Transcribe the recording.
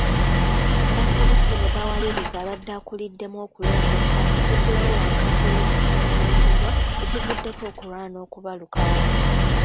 Batabuse ne bawaliriza abakuliddemu okulondesa okuggulawo wankaaki w’ekifo omulondebwa ekivuddeko okulwana okubalukawo.